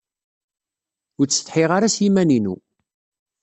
Ur ttsetḥiɣ ara s yiman-inu.